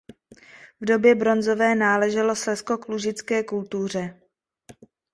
V době bronzové náleželo Slezsko k lužické kultuře.